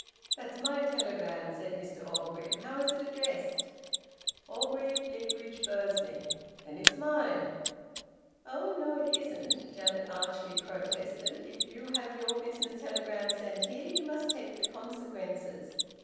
"That's my telegram," said Mr Orgreave. "How is it addressed?" "Orgreave, Bleakridge, Bursley." "Then it's mine." "Oh no, it isn't!" Janet archly protested. "If you have your business telegrams sent here you must take the consequences.